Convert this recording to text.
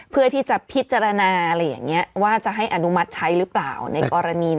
เพื่อที่จะพิจารณาอะไรอย่างนี้ว่าจะให้อนุมัติใช้หรือเปล่าในกรณี